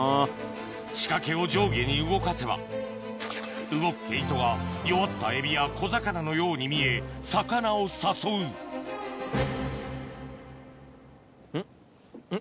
仕掛けを上下に動かせば動く毛糸が弱ったエビや小魚のように見え魚を誘うんっんっ？